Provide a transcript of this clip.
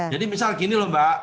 jadi misal gini lho mbak